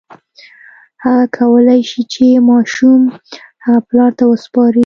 هغه کولی شي چې ماشوم هغه پلار ته وسپاري.